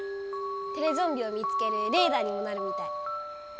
テレゾンビを見つけるレーダーにもなるみたい。